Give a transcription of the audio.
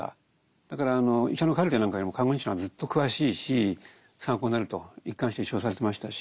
だから医者のカルテなんかよりも看護日誌のがずっと詳しいし参考になると一環して使用されてましたし。